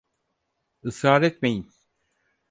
Israr etmeyin!